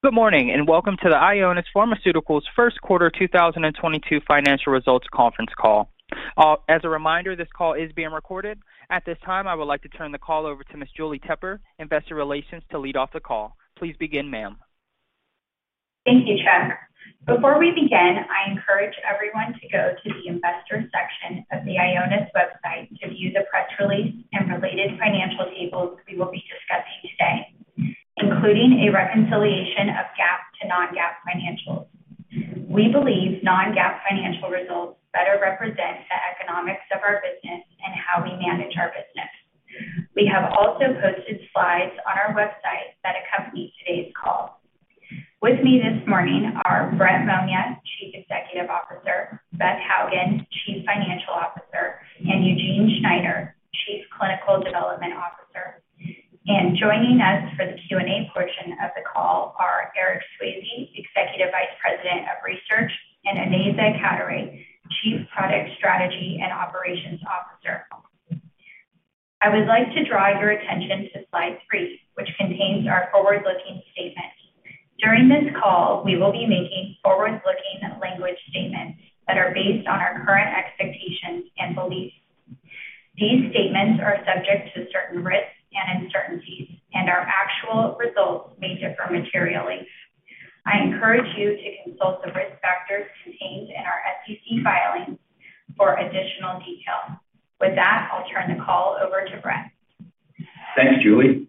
Good morning, and welcome to the Ionis Pharmaceuticals first quarter 2022 financial results conference call. As a reminder, this call is being recorded. At this time, I would like to turn the call over to Ms. Julie Tepper, Investor Relations, to lead off the call. Please begin, ma'am. Thank you, Chuck. Before we begin, I encourage everyone to go to the investors section of the Ionis website to view the press release and related financial tables we will be discussing today, including a reconciliation of GAAP to non-GAAP financials. We believe non-GAAP financial results better represent the economics of our business and how we manage our business. We have also posted slides on our website that accompany today's call. With me this morning are Brett Monia, Chief Executive Officer, Elizabeth L. Hougen, Chief Financial Officer, and Eugene Schneider, Chief Clinical Development Officer. Joining us for the Q&A portion of the call are Eric E. Swayze, Executive Vice President of Research, and Onaiza Cadoret-Manier, Chief Product Strategy and Operations Officer. I would like to draw your attention to slide three, which contains our forward-looking statement. During this call, we will be making forward-looking language statements that are based on our current expectations and beliefs. These statements are subject to certain risks and uncertainties, and our actual results may differ materially. I encourage you to consult the risk factors contained in our SEC filings for additional detail. With that, I'll turn the call over to Brett Monia. Thanks, Julie.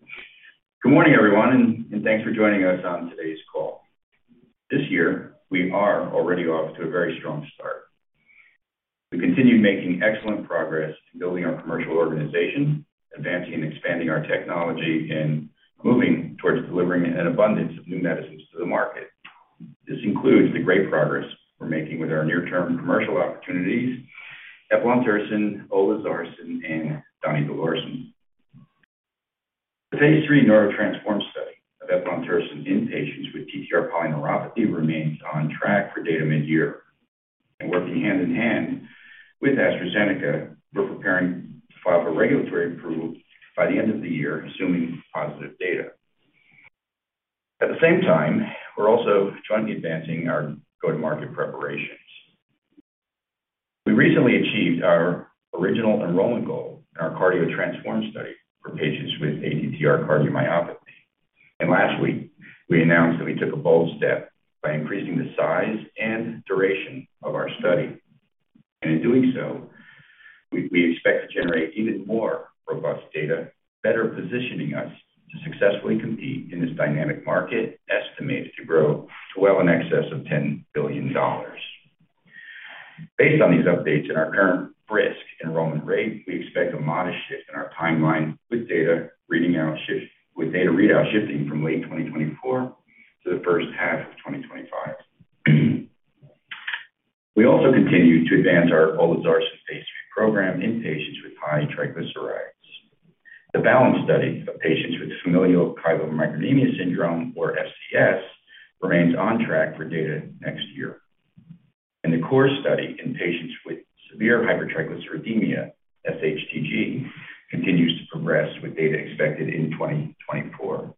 Good morning, everyone, and thanks for joining us on today's call. This year, we are already off to a very strong start. We continued making excellent progress in building our commercial organization, advancing and expanding our technology, and moving towards delivering an abundance of new medicines to the market. This includes the great progress we're making with our near-term commercial opportunities, Eplontersen, olezarsen, and Donidalorsen. The phase III NEURO-TTRansform study of Eplontersen in patients with TTR polyneuropathy remains on track for data mid-year. Working hand in hand with AstraZeneca, we're preparing to file for regulatory approval by the end of the year, assuming positive data. At the same time, we're also jointly advancing our go-to-market preparations. We recently achieved our original enrollment goal in our CARDIO-TTRansform study for patients with ATTR cardiomyopathy. Last week, we announced that we took a bold step by increasing the size and duration of our study. In doing so, we expect to generate even more robust data, better positioning us to successfully compete in this dynamic market, estimated to grow to well in excess of $10 billion. Based on these updates and our current brisk enrollment rate, we expect a modest shift in our timeline with data readout shifting from late 2024 to the first half of 2025. We also continue to advance our olezarsen phase III program in patients with high triglycerides. The BALANCE study of patients with familial chylomicronemia syndrome, or FCS, remains on track for data next year. The CORE study in patients with severe hypertriglyceridemia, SHTG, continues to progress with data expected in 2024.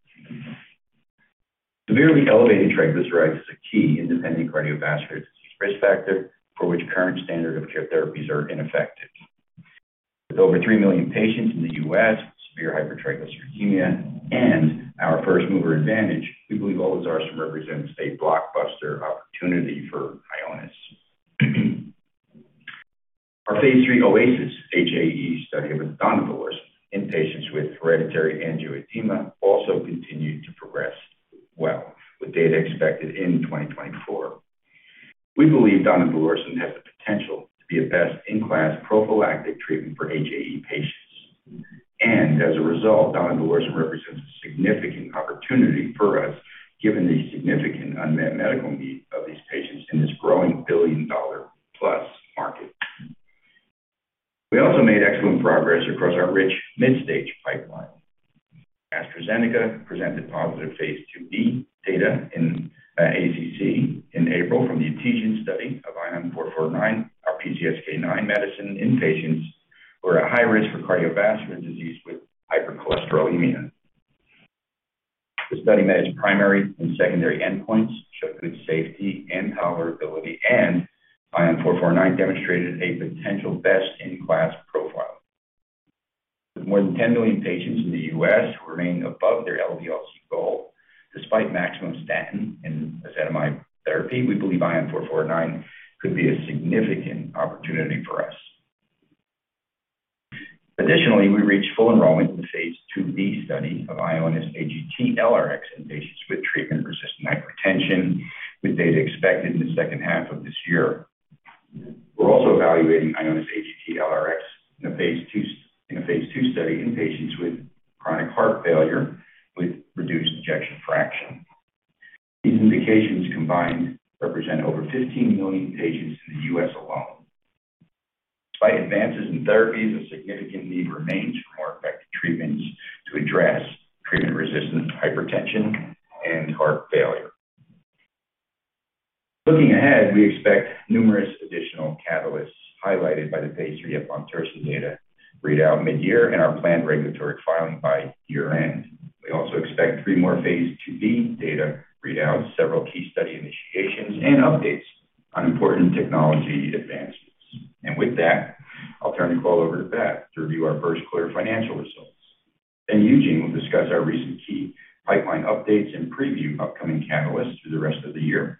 Severely elevated triglycerides is a key independent cardiovascular disease risk factor for which current standard of care therapies are ineffective. With over 3 million patients in the U.S., severe hypertriglyceridemia and our first-mover advantage, we believe olezarsen represents a blockbuster opportunity for Ionis. Our phase III OASIS-HAE study with Donidalorsen in patients with hereditary angioedema also continued to progress well with data expected in 2024. We believe Donidalorsen has the potential to be a best-in-class prophylactic treatment for HAE patients. As a result, Donidalorsen represents a significant opportunity for us given the significant unmet medical need of these patients in this growing billion-dollar-plus market. We also made excellent progress across our rich mid-stage pipeline. AstraZeneca presented positive phase IIb data in ACC in April from the ETESIAN study of ION449, our PCSK9 medicine in patients who are at high risk for cardiovascular disease with hypercholesterolemia. The study met primary and secondary endpoints, showed good safety and tolerability, and ION449 demonstrated a potential best-in-class profile. With more than 10 million patients in the U.S. remaining above their LDL-C goal despite maximum statin and ezetimibe therapy, we believe ION449 could be a significant opportunity for us. Additionally, we reached full enrollment in the phase IIb study of IONIS-AGT-LRx in patients with treatment-resistant hypertension, with data expected in the second half of this year. We're also evaluating IONIS-AGT-LRx in a phase II study in patients with chronic heart failure with reduced ejection fraction. These indications combined represent over 15 million patients in the U.S. alone. Despite advances in therapies, a significant need remains for more effective treatments to address treatment-resistant hypertension and heart failure. Looking ahead, we expect numerous additional catalysts highlighted by the phase III Eplontersen data read out mid-year and our planned regulatory filing by year-end. We also expect three more phase IIb data read out several key study initiations and updates on important technology advances. With that, I'll turn the call over to Beth to review our first quarter financial results. Eugene will discuss our recent key pipeline updates and preview upcoming catalysts through the rest of the year.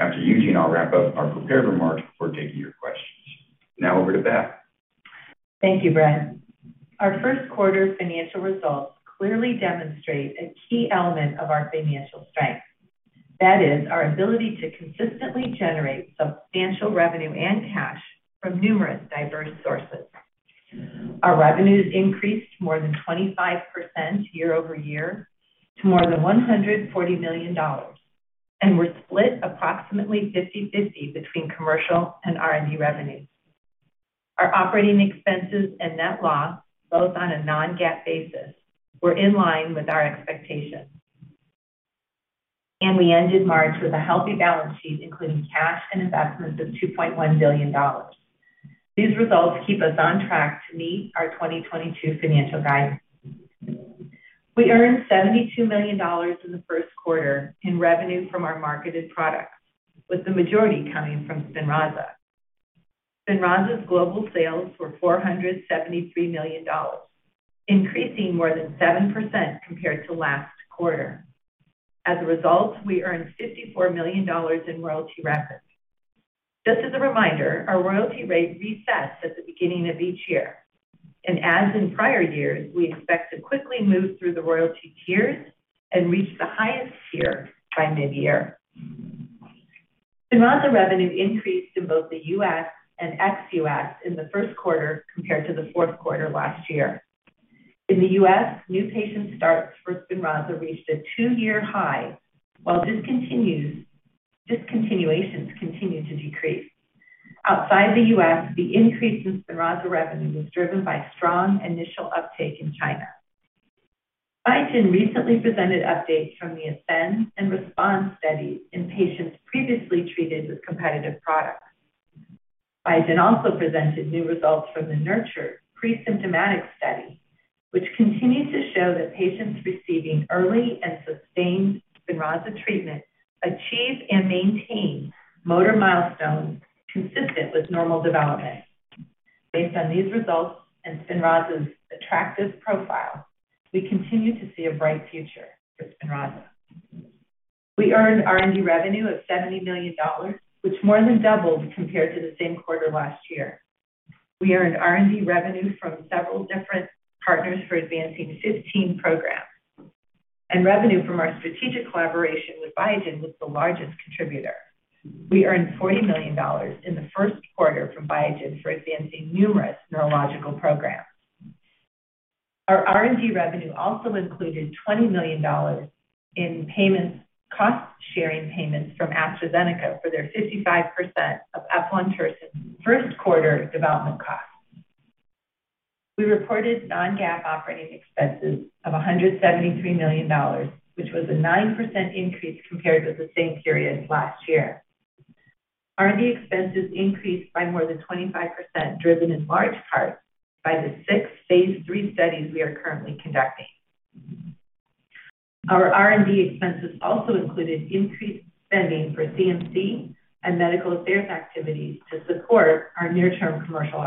After Eugene, I'll wrap up our prepared remarks before taking your questions. Now over to Beth. Thank you, Brett. Our first quarter financial results clearly demonstrate a key element of our financial strength. That is our ability to consistently generate substantial revenue and cash from numerous diverse sources. Our revenues increased more than 25% year-over-year to more than $140 million, and were split approximately 50/50 between commercial and R&D revenues. Our operating expenses and net loss, both on a non-GAAP basis, were in line with our expectations. We ended March with a healthy balance sheet, including cash and investments of $2.1 billion. These results keep us on track to meet our 2022 financial guidance. We earned $72 million in the first quarter in revenue from our marketed products, with the majority coming from Spinraza. Spinraza's global sales were $473 million, increasing more than 7% compared to last quarter. As a result, we earned $54 million in royalty revenues. Just as a reminder, our royalty rate resets at the beginning of each year. As in prior years, we expect to quickly move through the royalty tiers and reach the highest tier by mid-year. Spinraza revenue increased in both the U.S. and ex-U.S. in the first quarter compared to the fourth quarter last year. In the U.S., new patient starts for Spinraza reached a two year high, while discontinuations continued to decrease. Outside the U.S., the increase in Spinraza revenue was driven by strong initial uptake in China. Biogen recently presented updates from the ASCEND and RESPONSE studies in patients previously treated with competitive products. Biogen also presented new results from the NURTURE presymptomatic study, which continues to show that patients receiving early and sustained Spinraza treatment achieve and maintain motor milestones consistent with normal development. Based on these results and Spinraza's attractive profile, we continue to see a bright future for Spinraza. We earned R&D revenue of $70 million, which more than doubled compared to the same quarter last year. We earned R&D revenue from several different partners for advancing 15 programs, and revenue from our strategic collaboration with Biogen was the largest contributor. We earned $40 million in the first quarter from Biogen for advancing numerous neurological programs. Our R&D revenue also included $20 million in payments, cost-sharing payments from AstraZeneca for their 55% of Eplontersen's first quarter development costs. We reported non-GAAP operating expenses of $173 million, which was a 9% increase compared with the same period last year. R&D expenses increased by more than 25%, driven in large part by the six phase III studies we are currently conducting. Our R&D expenses also included increased spending for CMC and medical affairs activities to support our near-term commercial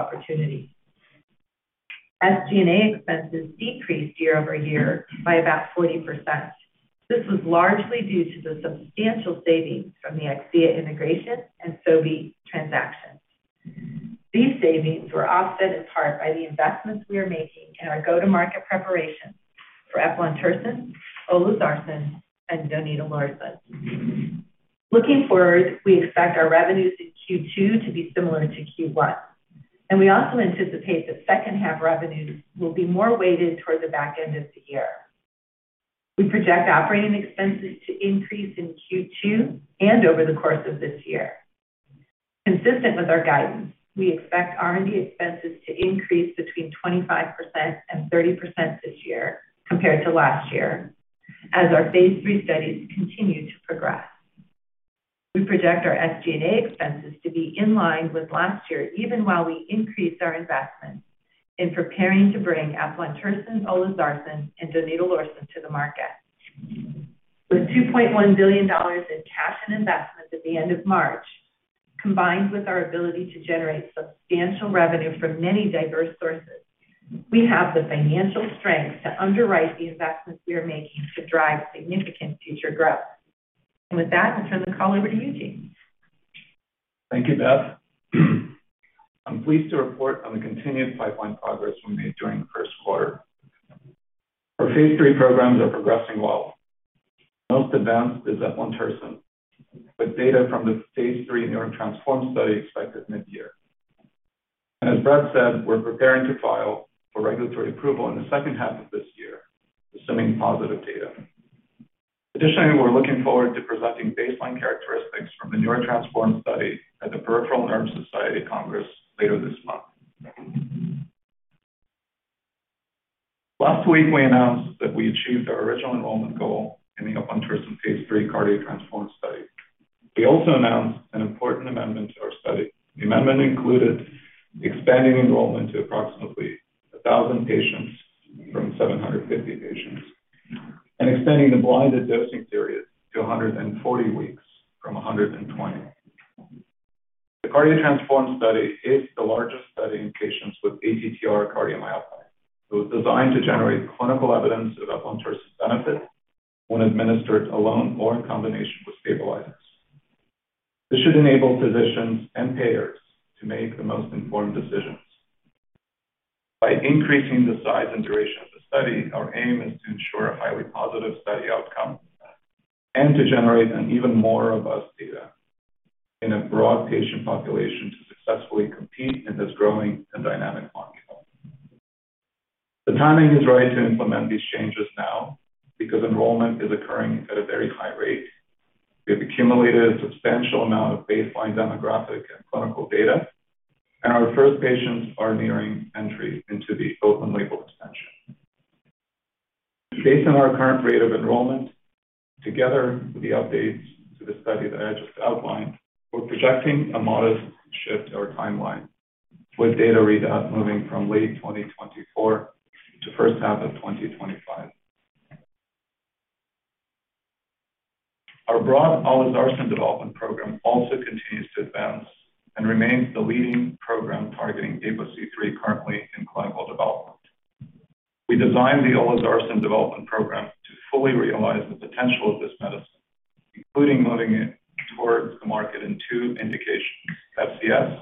opportunities. SG&A expenses decreased year-over-year by about 40%. This was largely due to the substantial savings from the Akcea integration and Sobi transactions. These savings were offset in part by the investments we are making in our go-to-market preparation for Eplontersen, olezarsen, and Donidalorsen. Looking forward, we expect our revenues in Q2 to be similar to Q1, and we also anticipate that second half revenues will be more weighted toward the back end of the year. We project operating expenses to increase in Q2 and over the course of this year. Consistent with our guidance, we expect R&D expenses to increase between 25% and 30% this year compared to last year as our phase III studies continue to progress. We project our SG&A expenses to be in line with last year, even while we increase our investments in preparing to bring Eplontersen, olezarsen, and Donidalorsen to the market. With $2.1 billion in cash and investments at the end of March, combined with our ability to generate substantial revenue from many diverse sources, we have the financial strength to underwrite the investments we are making to drive significant future growth. With that, I'll turn the call over to Eugene. Thank you, Beth. I'm pleased to report on the continued pipeline progress we made during the first quarter. Our phase III programs are progressing well. Most advanced is Eplontersen, with data from the phase III NEURO-TTRansform study expected mid-year. As Brett said, we're preparing to file for regulatory approval in the second half of this year, assuming positive data. Additionally, we're looking forward to presenting baseline characteristics from the NEURO-TTRansform study at the Peripheral Nerve Society Annual Meeting later this month. Last week, we announced that we achieved our original enrollment goal in the Eplontersen phase III CARDIO-TTRansform study. We also announced an important amendment to our study. The amendment included expanding enrollment to approximately 1,000 patients from 750 patients and extending the blinded dosing period to 140 weeks from 120. The CARDIO-TTRansform study is the largest study in patients with ATTR cardiomyopathy. It was designed to generate clinical evidence of Eplontersen's benefit when administered alone or in combination with stabilizers. This should enable physicians and payers to make the most informed decisions. By increasing the size and duration of the study, our aim is to ensure a highly positive study outcome and to generate an even more robust data in a broad patient population to successfully compete in this growing and dynamic market. The timing is right to implement these changes now because enrollment is occurring at a very high rate. We have accumulated a substantial amount of baseline demographic and clinical data, and our first patients are nearing entry into the open label extension. Based on our current rate of enrollment, together with the updates to the study that I just outlined, we're projecting a modest shift to our timeline, with data read out moving from late 2024 to first half of 2025. Our broad olezarsen development program also continues to advance and remains the leading program targeting APOC3 currently in clinical development. We designed the olezarsen development program to fully realize the potential of this medicine, including moving it towards the market in two indications, FCS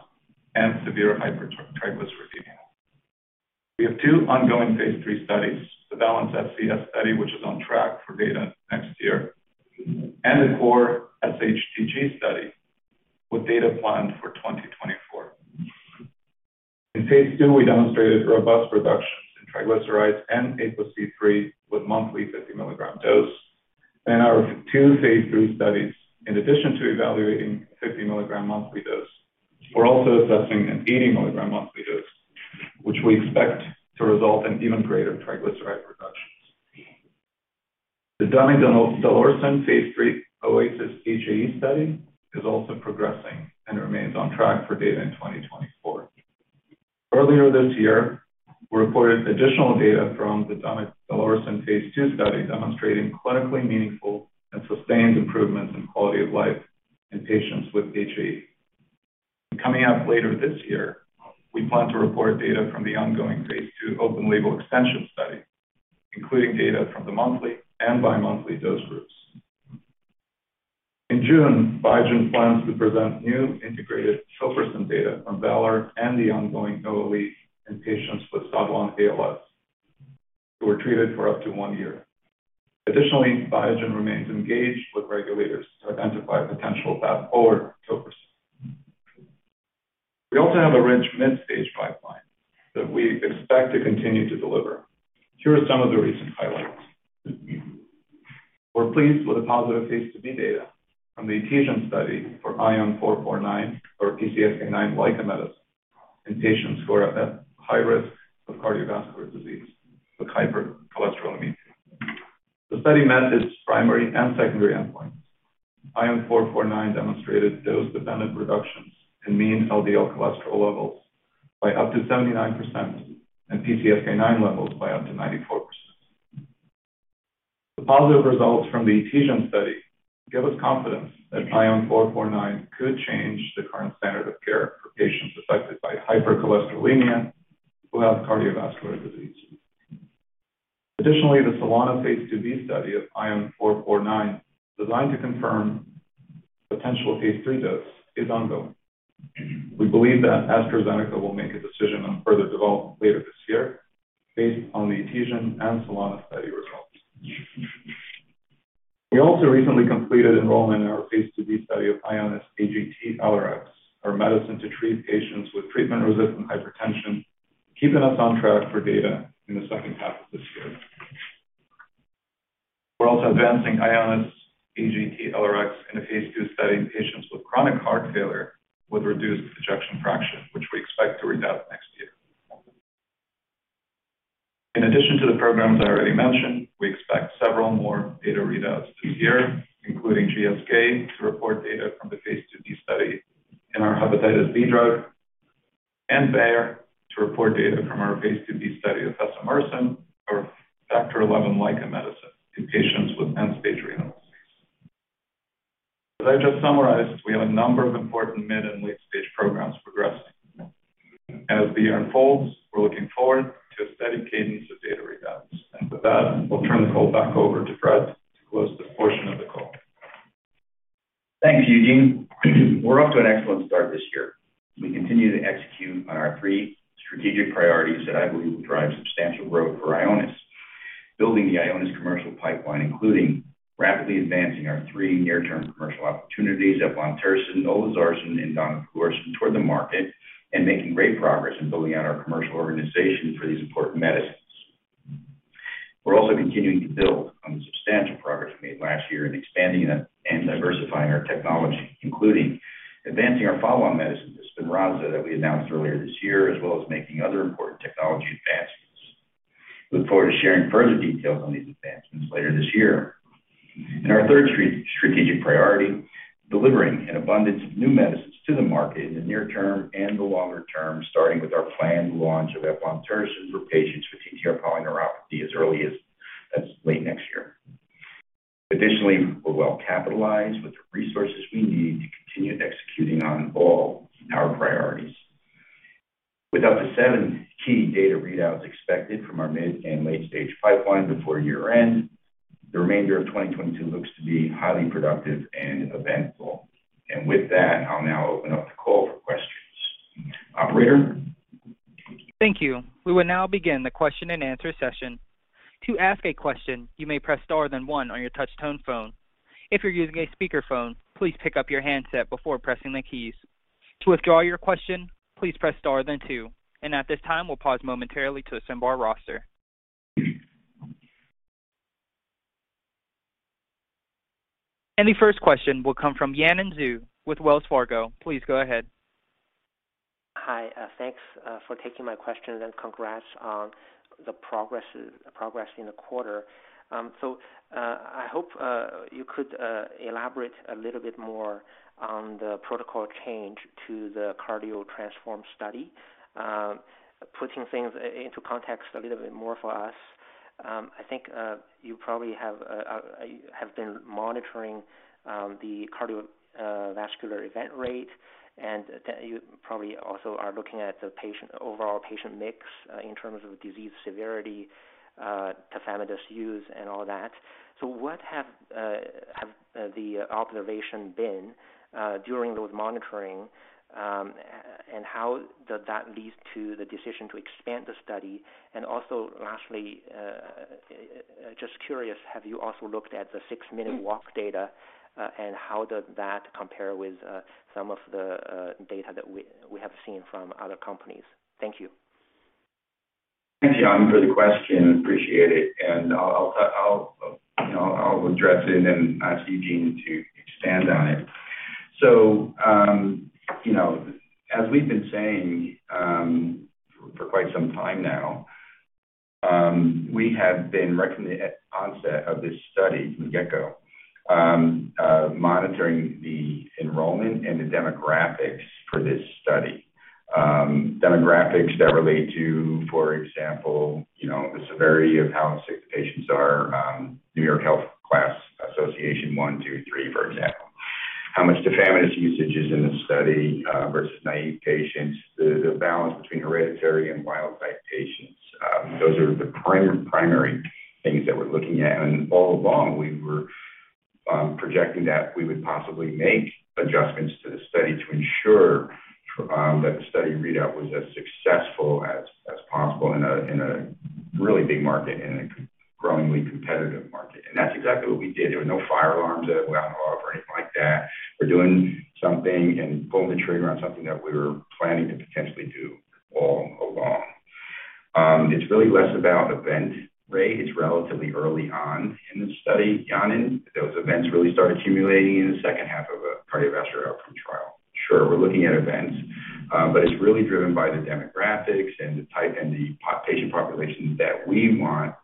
and severe hypertriglyceridemia. We have two ongoing phase III studies. The Balance-FCS study, which is on track for data next year, and the CORE SHTG study with data planned for 2024. In phase II, we demonstrated robust reductions in triglycerides and APOC3 with monthly 50-milligram dose. In our two phase III studies, in addition to evaluating 50-milligram monthly dose, we're also assessing an 80-milligram monthly dose, which we expect to result in even greater triglyceride reductions. The Donidalorsen phase III OASIS-HAE study is also progressing and remains on track for data in 2024. Earlier this year, we reported additional data from the Donidalorsen phase II study demonstrating clinically meaningful and sustained improvements in quality of life in patients with HAE. Coming up later this year, we plan to report data from the ongoing phase II open-label extension study, including data from the monthly and bimonthly dose groups. In June, Biogen plans to present new integrated tofersen data from VALOR and the ongoing OLE in patients with SOD1 ALS who were treated for up to one year. Additionally, Biogen remains engaged with regulators to identify a potential path forward tofersen. We also have a rich mid-stage pipeline that we expect to continue to deliver. Here are some of the recent highlights. We're pleased with the positive phase IIb data from the ETESIAN study for ION449, our PCSK9-like medicine in patients who are at high risk of cardiovascular disease with hypercholesterolemia. The study met its primary and secondary endpoints. ION449 demonstrated dose-dependent reductions in mean LDL cholesterol levels by up to 79% and PCSK9 levels by up to 94%. The positive results from the ETESIAN study give us confidence that ION449 could change the current standard of care for patients affected by hypercholesterolemia who have cardiovascular disease. Additionally, the SOLANO phase IIb study of ION449, designed to confirm potential phase III dose, is ongoing. We believe that AstraZeneca will make a decision on further development later this year based on the ETESIAN and SOLANO study results. We also recently completed enrollment in our phase IIb study of IONIS-AGT-LRx, our medicine to treat patients with treatment-resistant hypertension, keeping us on track for data in the second half of this year. We're also advancing IONIS-AGT-LRx in a phase II study in patients with chronic heart failure with reduced ejection fraction, which we expect to read out next year. In addition to the programs I already mentioned, we expect several more data readouts this year, including GSK to report data from the phase IIb study in our hepatitis B drug and Bayer to report data from our phase IIb study of fesomersen or Factor XI LICA medicine in patients with end-stage renal disease. As I just summarized, we have a number of important mid and late-stage programs progressing. As the year unfolds, we're looking forward to a steady cadence of data readouts. With that, we'll turn the call back over to Brett Monia to close this portion of the call. Thanks, Eugene. We're off to an excellent start Hi, thanks for taking my question, and congrats on the progress in the quarter. I hope you could elaborate a little bit more on the protocol change to the CARDIO-TTRansform study, putting things into context a little bit more for us. I think you probably have have been monitoring the cardiovascular event rate, and that you probably also are looking at the patient, overall patient mix, in terms of disease severity, Tafamidis use and all that. What have the observation been during those monitoring, and how does that lead to the decision to expand the study? Also lastly, just curious, have you also looked at the six-minute walk data, and how does that compare with some of the data that we have seen from other companies? Thank you. Thanks, Yanan, for the question. Appreciate it. I'll, you know, address it and ask Eugene to expand on it. You know, as we've been saying for quite some time now, we have been at onset of this study from the get-go monitoring the enrollment and the demographics for this study. Demographics that relate to, for example, you know, the severity of how sick the patients are, New York Heart Association one, two, three, for example. How much tafamidis usage is in the study versus naive patients. The balance between hereditary and wild-type patients. Those are the primary things that we're looking at. All along, we were projecting that we would possibly make adjustments to the study to ensure that the study readout was as successful as possible in a really big market and a growingly competitive market. That's exactly what we did. There were no fire alarms that went off or anything like that. We're doing something and pulling the trigger on something that we were planning to potentially do all along. It's really less about event rate. It's relatively early on in the study, Yanan. Those events really start accumulating in the second half of a cardiovascular outcome trial. Sure, we're looking at events, but it's really driven by the demographics and the type and the patient populations that we want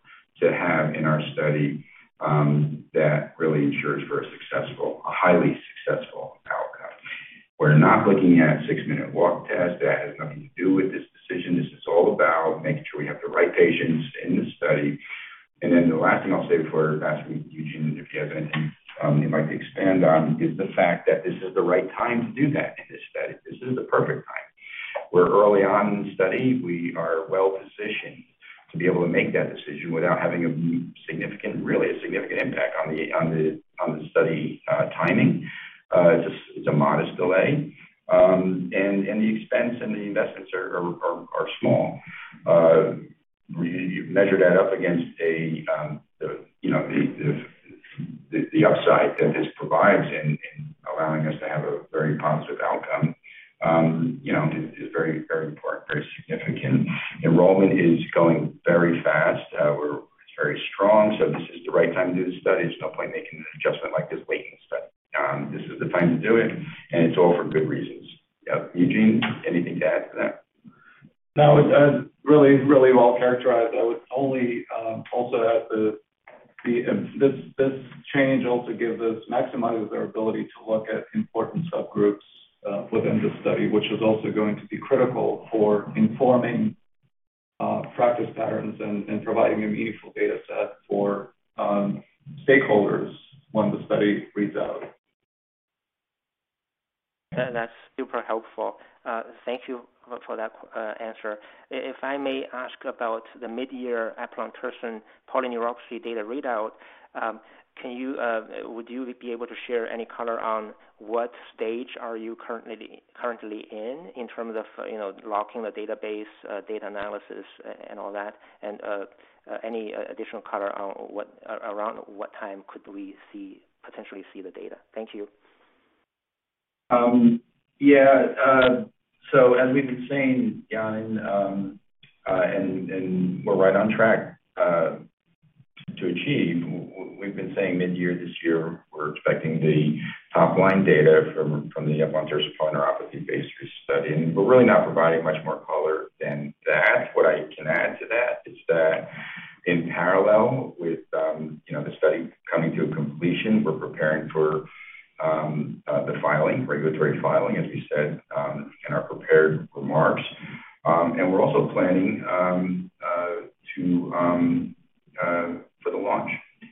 to have in our study, that really ensures for a successful, highly successful outcome. We're not looking at six-minute walk tests. That has nothing to do with this decision. This is all about making sure we have the right patients in the study. The last thing I'll say before asking Eugene if he has anything he'd like to expand on is the fact that this is the right time to do that in this study. This is the perfect time. We're early on in the study. We are well-positioned to be able to make that decision without having a significant, really a significant impact on the study timing. It's a modest delay. The expense and the investments are small. You measure that up against, you know, the upside that this provides in allowing us to have a very positive outcome, you know, is very important, very significant. Enrollment is going very fast. It's very strong, so this is the right time to do the study. There's no point in making an adjustment like this late in the study. This is the time to do it, and it's all for good reasons. Yep. Eugene, anything to add to that? No, it's really well characterized. I would only also add. This change also gives us, maximizes our ability to look at important subgroups within the study, which is also going to be critical for informing practice patterns and providing a meaningful data set for stakeholders when the study reads out. That's super helpful. Thank you for that, answer. If I may ask about the mid-year Eplontersen polyneuropathy data readout, can you would you be able to share any color on what stage are you currently in terms of, you know, locking the database, data analysis and all that? Any additional color on around what time could we see, potentially see the data? Thank you. As we've been saying, Jan, and we're right on track to achieve. We've been saying mid-year this year, we're expecting the top line data from the Eplontersen polyneuropathy-based study. We're really not providing much more color than that. What I can add to that is that in parallel with you know the study coming to a completion, we're preparing for the filing, regulatory filing, as we said in our prepared remarks. We're also planning for the launch.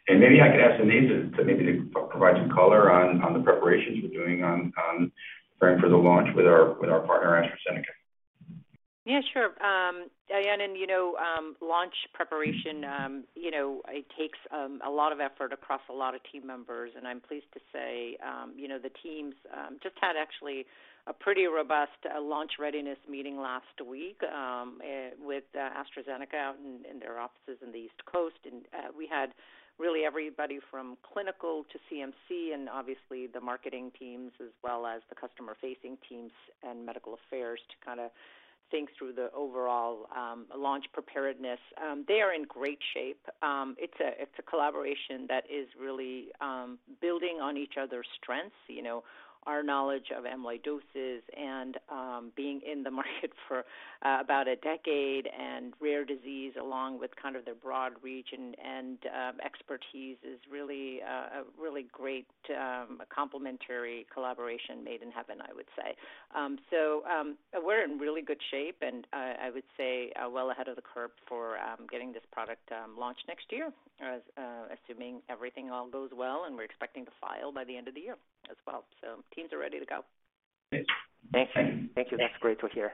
Maybe I can ask Onaiza to maybe provide some color on the preparations we're doing on preparing for the launch with our partner, AstraZeneca. Yeah, sure. Yanan Zhu and you know launch preparation you know it takes a lot of effort across a lot of team members, and I'm pleased to say you know the teams just had actually a pretty robust launch readiness meeting last week with AstraZeneca out in their offices in the East Coast. We had really everybody from clinical to CMC and obviously the marketing teams as well as the customer-facing teams and medical affairs to kinda think through the overall launch preparedness. They are in great shape. It's a collaboration that is really building on each other's strengths. You know, our knowledge of amyloidosis and being in the market for about a decade and rare disease, along with kind of their broad reach and expertise is really a really great complementary collaboration made in heaven, I would say. We're in really good shape, and I would say well ahead of the curve for getting this product launched next year, assuming everything all goes well, and we're expecting to file by the end of the year as well. Teams are ready to go. Thanks. Thank you. Thank you. That's great to hear.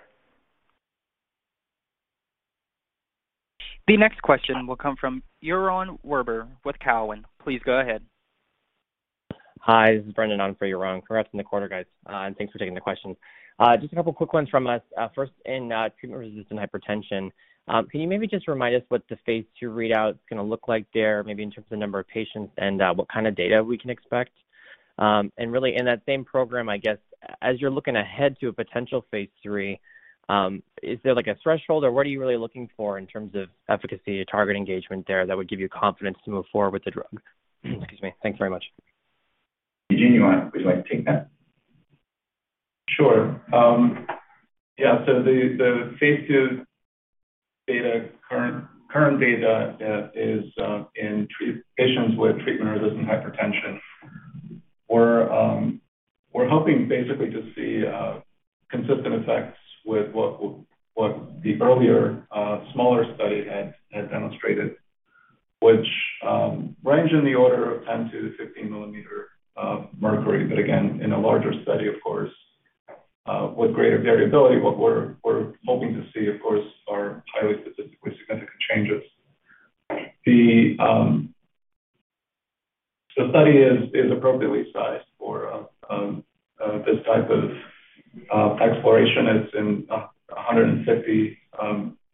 The next question will come from Yaron Werber with Cowen. Please go ahead. Hi, this is Brendan on for Yaron Werber. Congrats on the quarter, guys. Thanks for taking the questions. Just a couple quick ones from us. First, in treatment-resistant hypertension, can you maybe just remind us what the phase II readout's gonna look like there, maybe in terms of number of patients and what kind of data we can expect? Really in that same program, I guess, as you're looking ahead to a potential phase III, is there like a threshold or what are you really looking for in terms of efficacy or target engagement there that would give you confidence to move forward with the drug? Excuse me. Thanks very much. Eugene, would you like to take that? The Phase II data, current data, is in patients with treatment-resistant hypertension. We're hoping basically to see consistent effects with what the earlier smaller study had demonstrated, which range in the order of 10-15 mm Hg. In a larger study, of course, with greater variability. What we're hoping to see, of course, are highly statistically significant changes. The study is appropriately sized for this type of exploration. It's in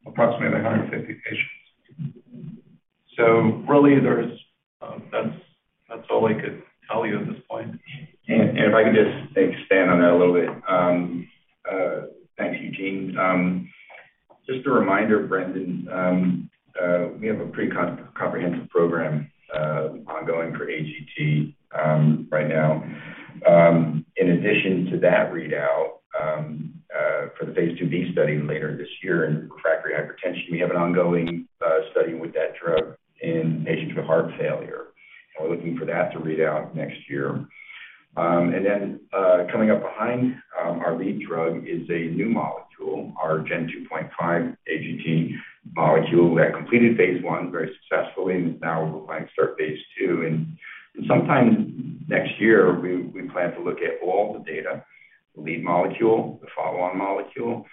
approximately 150 patients. Really, that's all I could tell you at this point. If I could just expand on that a little bit. Thanks, Eugene. Just a reminder, Brendan, we have a pretty comprehensive program ongoing for AGT right now. In addition to that readout for the phase IIb study later this year in refractory hypertension, we have an ongoing study with that drug in patients with heart failure. We're looking for that to read out next year. Coming up behind our lead drug is a new molecule, our Gen 2.5 AGT molecule that completed phase I very successfully and now we're planning to start phase II. Sometime next year, we plan to look at all the data, the lead molecule, the follow-on molecule,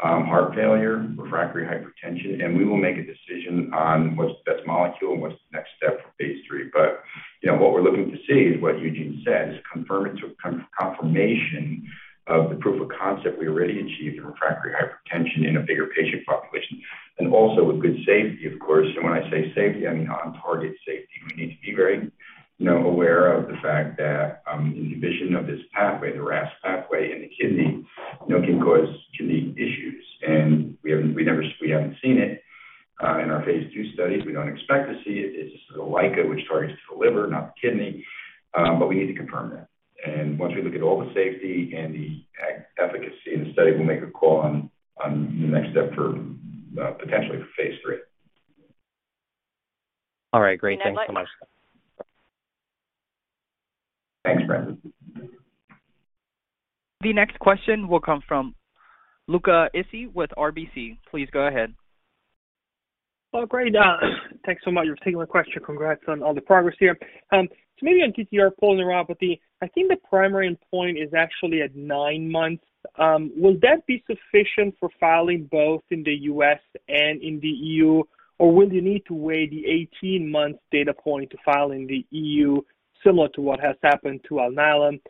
heart failure, refractory hypertension, and we will make a decision on what's the best molecule and what's the next step for phase III. You know, what we're looking to see is what Eugene said, confirmation of the proof of concept we already achieved in refractory hypertension in a bigger patient population and also with good safety, of course. When I say safety, I mean on target safety. We need to be very, you know, aware of the fact that inhibition of this pathway, the RAS pathway in the kidney, you know, can cause kidney issues. We haven't seen it in our phase II studies. We don't expect to see it. It's like which targets the liver, not the kidney, but we need to confirm that. Once we look at all the safety and the efficacy in the study, we'll make a call on the next step for potentially for phase III. All right. Great. Thanks so much. Thanks, Brendan. The next question will come from Luca Issi with RBC. Please go ahead. Well, great. Thanks so much for taking my question. Congrats on all the progress here. Maybe on TTR polyneuropathy, I think the primary endpoint is actually at nine months. Will that be sufficient for filing both in the U.S. and in the E.U., or will you need to wait the 18-month data point to file in the E.U., similar to what has happened to Alnylam?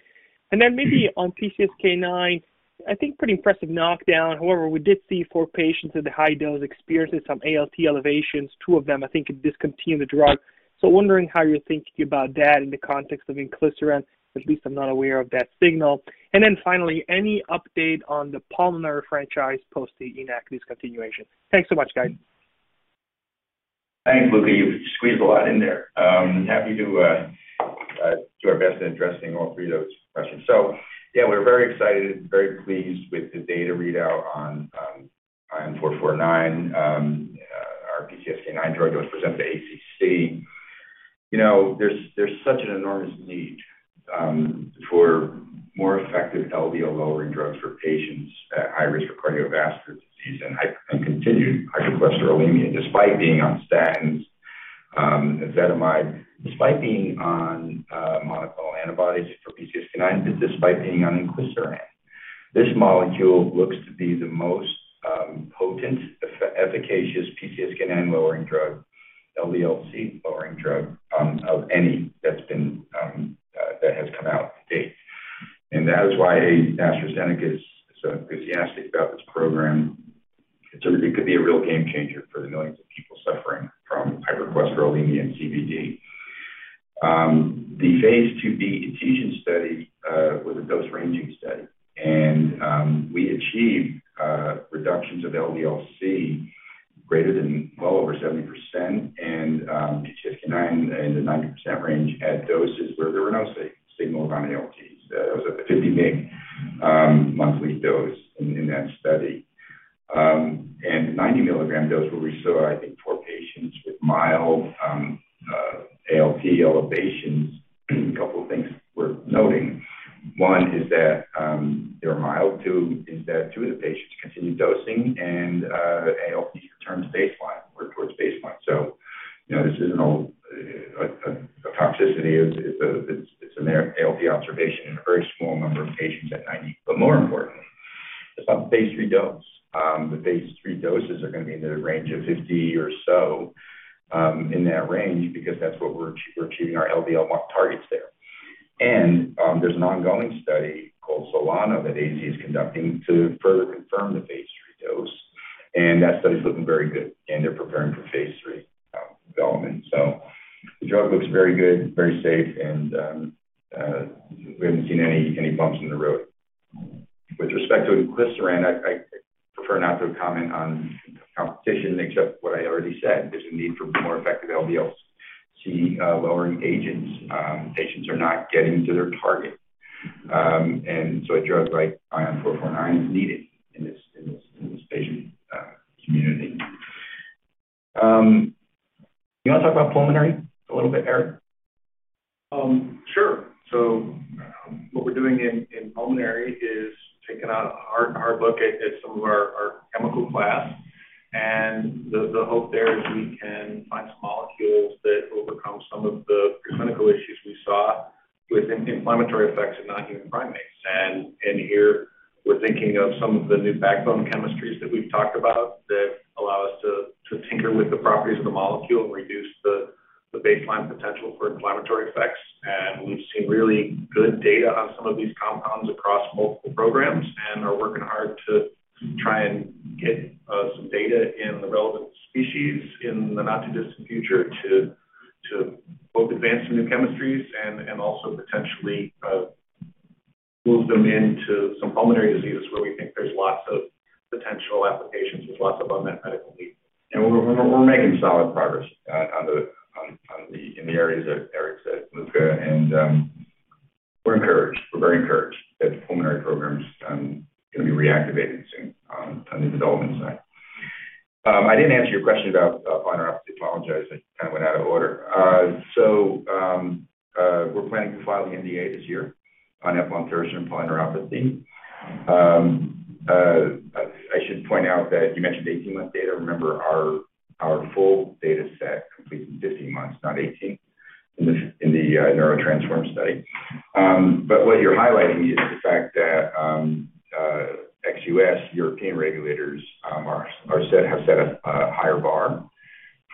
Then maybe on PCSK9, I think pretty impressive knockdown. However, we did see four patients at the high dose experiencing some ALT elevations. Two of them, I think, had discontinued the drug. Wondering how you're thinking about that in the context of inclisiran. At least I'm not aware of that signal. Finally, any update on the pulmonary franchise post the ENACT discontinuation? Thanks so much, guys. Thanks, Luca. You've squeezed a lot in there. Happy to do our best in addressing all three of those questions. Yeah, we're very excited, very pleased with the data readout on ion four four nine, our PCSK9 drug that was presented to ACC. You know, there's such an enormous need for more effective LDL lowering drugs for patients at high risk for cardiovascular disease and continued hypercholesterolemia, despite being on statins, ezetimibe, despite being on monoclonal antibodies for PCSK9, despite being on inclisiran. This molecule looks to be the most potent efficacious PCSK9 lowering drug, LDL-C lowering drug of any that's been that has come out to date. That is why AstraZeneca is so enthusiastic about this program. It could be a real game changer for the millions of people suffering from hypercholesterolemia and CVD. The phase IIb INCEPTION study was a dose-ranging study, and we achieved reductions of LDL-C greater than well over 70% and PCSK9 in the 90% range at doses where there were no signals on ALTs. That was at the 50 mg monthly dose in that study. 90 mg dose where we saw, I think, four patients with mild ALT elevations. A couple of things worth noting. One is that they were mild. Two is that two of the patients continued dosing, and the ALT returned to baseline or towards baseline. You know, this isn't all a toxicity. It's an ALT observation in a very small number of patients at 90. But more importantly, it's not the phase III dose. The phase III doses are gonna be in the range of 50 or so, in that range because that's what we're achieving our LDL targets there. There's an ongoing study called SOLANO that AZ is conducting to further confirm the phase III dose, and that study is looking very good, and they're preparing for phase III development. The drug looks very good, very safe, and we haven't seen any bumps in the road. With respect to inclisiran, I prefer not to comment on competition except what I already said. There's a need for more effective LDL-C lowering agents. Patients are not getting to their target. A drug like ION449 is needed in this patient community. You wanna talk about pulmonary a little bit, Eric? Sure. What we're doing in pulmonary is taking a hard look at some of our chemical class. The hope there is we can find some molecules that overcome some of the preclinical issues we saw with inflammatory effects in non-human primates. Here we're thinking of some of the new backbone chemistries that we've talked about that allow us to tinker with the properties of the molecule and reduce the baseline potential for inflammatory effects. We've seen really good data on some of these compounds across multiple programs and are working hard to try and get some data in the relevant species in the not-too-distant future to both advance some new chemistries and also potentially move them into some pulmonary diseases where we think there's lots of potential applications. There's lots of unmet medical needs. We're making solid progress in the areas that Eric said, Luca. We're encouraged. We're very encouraged that the pulmonary program's gonna be reactivated soon on the development side. I didn't answer your question about polyneuropathy. I apologize. I kind of went out of order. We're planning to file the NDA this year on Eplontersen for polyneuropathy. I should point out that you mentioned 18-month data. Remember our full data set completed 15 months, not 18 in the NEURO-TTRansform study. What you're highlighting is the fact that ex-US European regulators have set a higher bar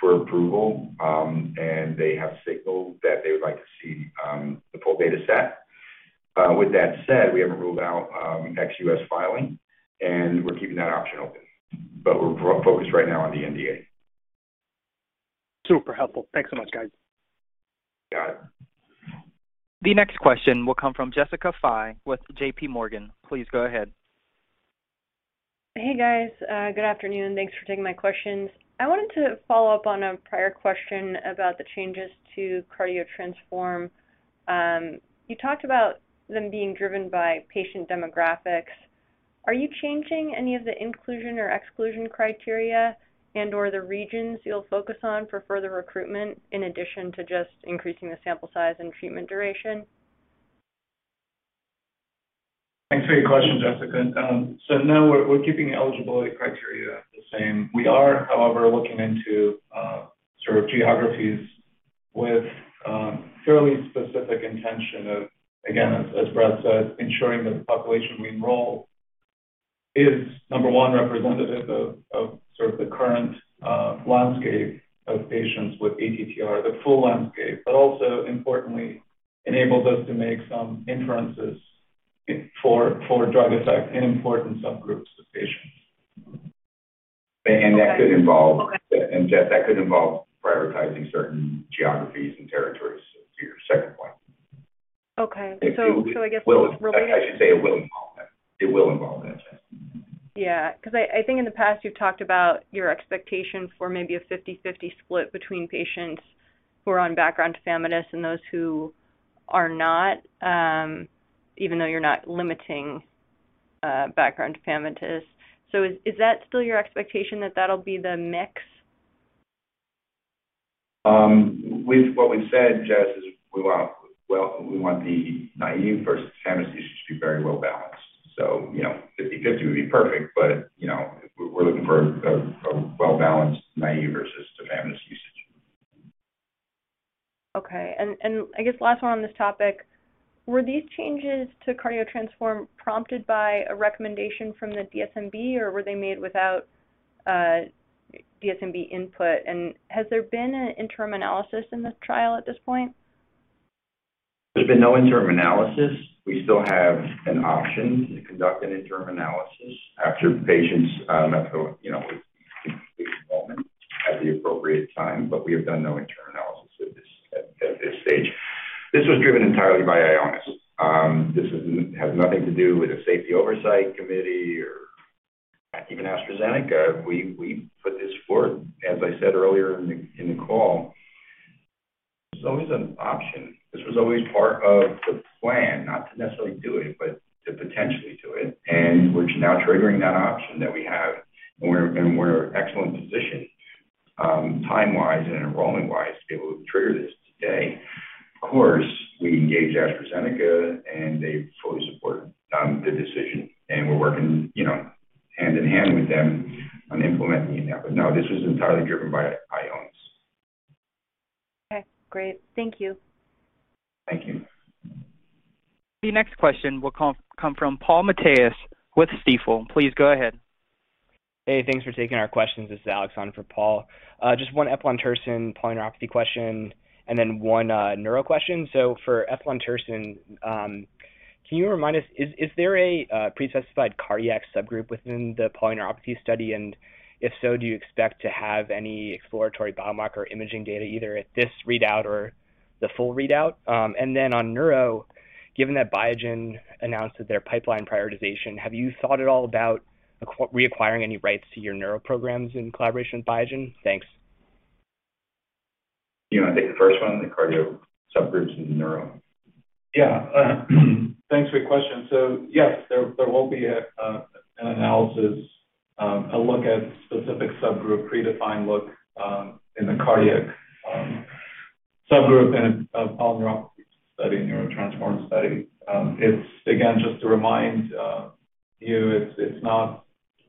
for approval, and they have signaled that they would like to see the full data set. With that said, we haven't ruled out ex-US filing, and we're keeping that option open. We're focused right now on the NDA. Super helpful. Thanks so much, guys. Got it. The next question will come from Jessica Fye with JP Morgan. Please go ahead. Hey, guys. Good afternoon. Thanks for taking my questions. I wanted to follow up on a prior question about the changes to CARDIO-TTRansform. You talked about them being driven by patient demographics. Are you changing any of the inclusion or exclusion criteria and/or the regions you'll focus on for further recruitment in addition to just increasing the sample size and treatment duration? Thanks for your question, Jessica. No, we're keeping eligibility criteria the same. We are, however, looking into sort of geographies with fairly specific intention of, again, as Brett said, ensuring that the population we enroll. Is number one representative of sort of the current landscape of patients with ATTR, the full landscape, but also importantly enables us to make some inferences for drug effect in important subgroups of patients. And, and that could involve- Okay. Okay. Jess, that could involve prioritizing certain geographies and territories. To your second point. Okay. I guess related. Well, I should say it will involve that. It will involve that, Jess. Yeah. 'Cause I think in the past you've talked about your expectation for maybe a 50/50 split between patients who are on background tafamidis and those who are not, even though you're not limiting background tafamidis. Is that still your expectation that that'll be the mix? What we've said, Jessica, is we want, well, the naive versus tafamidis usage to be very well balanced. You know, 50/50 would be perfect, but, you know, we're looking for a well-balanced naive versus tafamidis usage. Okay. I guess last one on this topic. Were these changes to CARDIO-TTRansform prompted by a recommendation from the DSMB, or were they made without DSMB input? Has there been an interim analysis in the trial at this point? There's been no interim analysis. We still have an option to conduct an interim analysis after patients have met with complete enrollment at the appropriate time, but we have done no interim analysis at this stage. This was driven entirely by Ionis. This has nothing to do with a safety oversight committee or even AstraZeneca. We put this forward, as I said earlier in the call. This is always an option. This was always part of the plan, not to necessarily do it, but to potentially do it. We're in excellent position time-wise and enrolling-wise to be able to trigger this today. Of course, we engaged AstraZeneca, and they fully supported the decision. We're working, you know, hand in hand with them on implementing it now. No, this was entirely driven by Ionis. Okay. Great. Thank you. Thank you. The next question will come from Paul Matteis with Stifel. Please go ahead. Hey, thanks for taking our questions. This is Alexander for Paul. Just one Eplontersen polyneuropathy question and then one neuro question. For Eplontersen, can you remind us, is there a pre-specified cardiac subgroup within the polyneuropathy study? And if so, do you expect to have any exploratory biomarker imaging data either at this readout or the full readout? And then on neuro, given that Biogen announced their pipeline prioritization, have you thought at all about reacquiring any rights to your neuro programs in collaboration with Biogen? Thanks. You wanna take the first one, the cardio subgroups and neuro? Yeah. Thanks for your question. Yes, there will be an analysis, a look at specific subgroup, predefined look, in the cardiac subgroup in a polyneuropathy study, NEURO-TTRansform study. It's again, just to remind you, it's not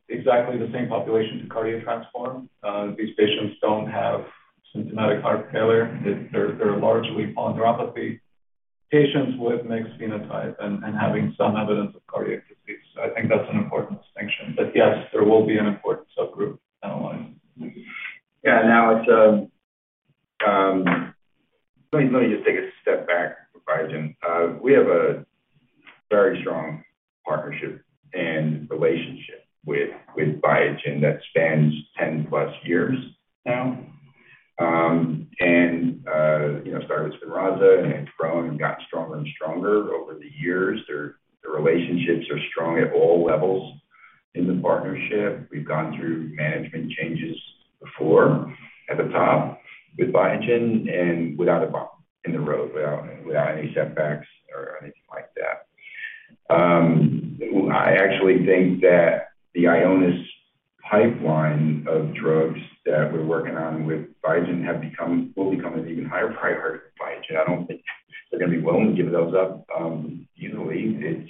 exactly the same population to CARDIO-TTRansform. These patients don't have symptomatic heart failure. They're largely polyneuropathy patients with mixed phenotype and having some evidence of cardiac disease. I think that's an important distinction. Yes, there will be an important subgroup analyzed. Let me just take a step back for Biogen. We have a very strong partnership and relationship with Biogen that spans 10+ years now. You know, started Spinraza, and it's grown and got stronger and stronger over the years. The relationships are strong at all levels in the partnership. We've gone through management changes before at the top with Biogen and without a bump in the road, without any setbacks or anything like that. I actually think that the Ionis pipeline of drugs that we're working on with Biogen will become an even higher priority for Biogen. I don't think they're gonna be willing to give those up easily.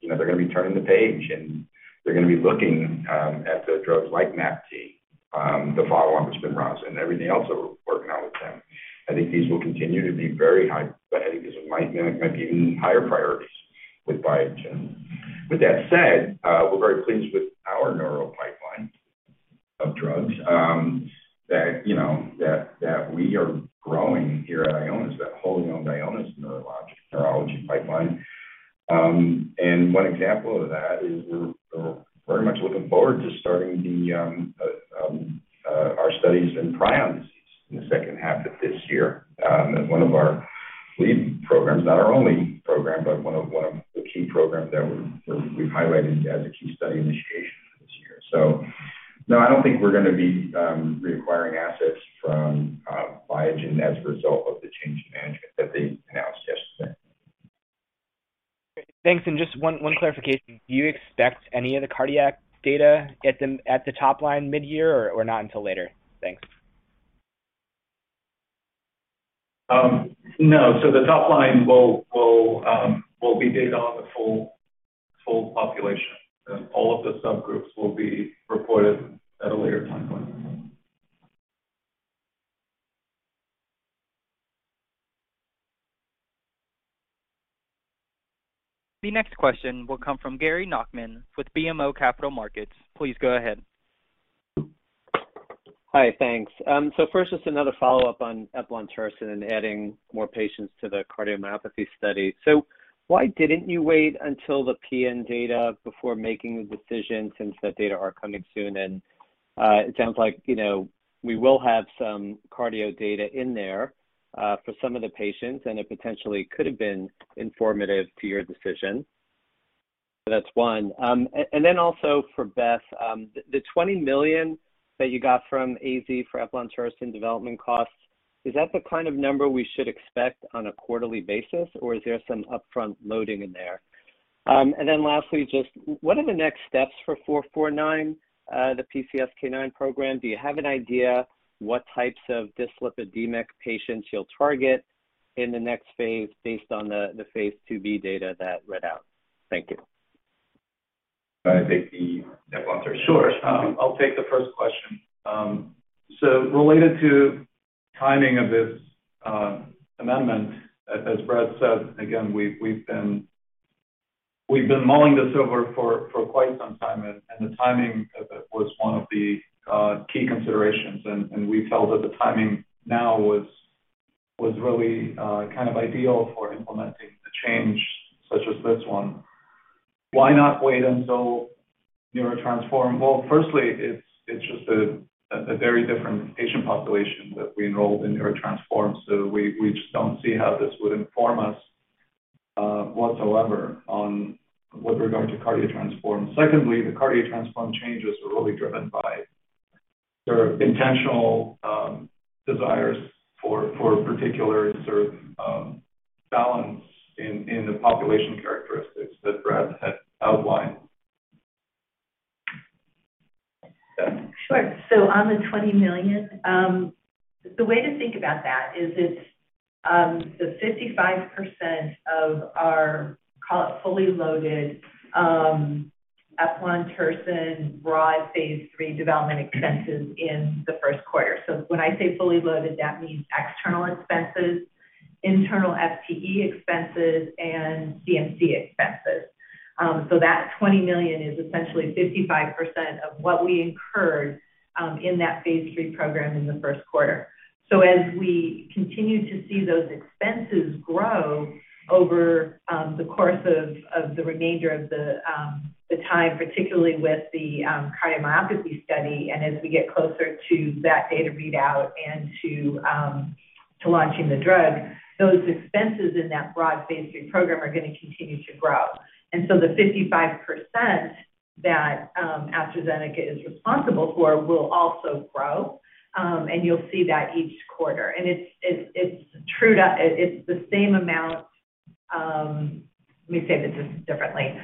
You know, they're gonna be turning the page, and they're gonna be looking at the drugs like MAPT, the follow on with Spinraza, and everything else that we're working on with them. I think these will continue to be very high, but I think these might be even higher priorities with Biogen. With that said, we're very pleased with our neuro pipeline of drugs, that you know that we are growing here at Ionis, that wholly owned Ionis neurology pipeline. One example of that is we're very much looking forward to starting our studies in prion disease in the second half of this year, as one of our lead programs. Not our only program, but one of the key programs that we've highlighted as a key study initiation for this year. No, I don't think we're gonna be reacquiring assets from Biogen as a result of the change in management that they announced yesterday. Great. Thanks. Just one clarification. Do you expect any of the cardiac data at the top line mid-year or not until later? Thanks. No. The top line will be data on the full population. All of the subgroups will be reported at a later time point. The next question will come from Gary Nachman with BMO Capital Markets. Please go ahead. Hi. Thanks. First, just another follow-up on Eplontersen and adding more patients to the cardiomyopathy study. Why didn't you wait until the PN data before making the decision since that data are coming soon? It sounds like, you know, we will have some cardio data in there for some of the patients, and it potentially could have been informative to your decision. That's one. Then also for Beth, the $20 million that you got from AZ for Eplontersen development costs, is that the kind of number we should expect on a quarterly basis, or is there some upfront loading in there? Then lastly, just what are the next steps for 449, the PCSK9 program? Do you have an idea what types of dyslipidemic patients you'll target in the next phase based on the phase IIb data that read out? Thank you. Can I take the Eplontersen question? Sure. I'll take the first question. Related to timing of this amendment, as Brett said, again, we've been mulling this over for quite some time, and the timing of it was one of the key considerations. We felt that the timing now was really kind of ideal for implementing the change such as this one. Why not wait until NEURO-TTRansform? Well, firstly, it's just a very different patient population that we enrolled in NEURO-TTRansform, so we just don't see how this would inform us whatsoever with regard to CARDIO-TTRansform. Secondly, the CARDIO-TTRansform changes are really driven by their intentional desires for a particular sort of balance in the population characteristics that Brett had outlined. Beth. Sure. On the $20 million, the way to think about that is it's the 55% of our fully loaded Eplontersen broad phase III development expenses in the first quarter. When I say fully loaded, that means external expenses, internal FTE expenses, and CMC expenses. That $20 million is essentially 55% of what we incurred in that phase III program in the first quarter. As we continue to see those expenses grow over the course of the remainder of the time, particularly with the cardiomyopathy study and as we get closer to that data readout and to launching the drug, those expenses in that broad phase III program are gonna continue to grow. The 55% that AstraZeneca is responsible for will also grow, and you'll see that each quarter. It's the same amount. Let me say this just differently.